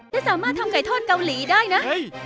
และสามารถทำไก่ทอดเกาหลีได้นะ